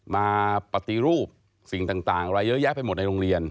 มาปฏิรูปสิ่งต่างอะไรเยอะแยะไปหมดในโรงเรียน